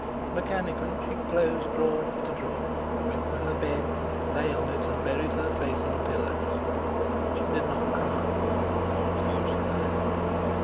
Mechanically she closed drawer after drawer, went to her bed, lay on it, and buried her face in the pillows. She did not cry. What was the use of that?